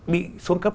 bị xuống cấp